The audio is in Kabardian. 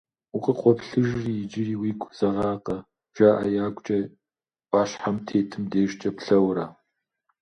Укъыхукъуоплъыжри, иджыри уигу зэгъакъэ?! — жаӏэ ягукӏэ ӏуащхьэм тетым дежкӏэ плъэурэ.